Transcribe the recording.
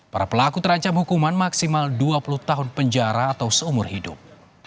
para pelaku terancam hukuman maksimal dua puluh tahun penjara atau seumur hidup